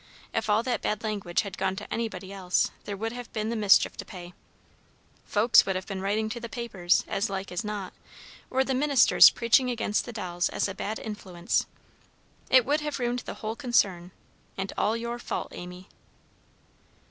If all that bad language had gone to anybody else, there would have been the mischief to pay. Folks would have been writing to the papers, as like as not, or the ministers preaching against the dolls as a bad influence. It would have ruined the whole concern, and all your fault, Amy."